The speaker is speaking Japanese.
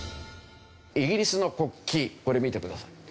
イギリスの国旗これ見てください。